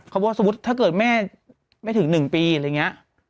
เขาบอกสมมุติถ้าเกิดแม่ไม่ถึง๑ปีอะไรอย่างนี้